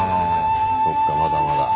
そっかまだまだ。